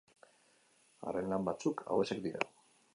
Haren lan batzuk hauexek dira.